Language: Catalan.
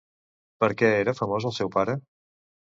Per què era famós el seu pare?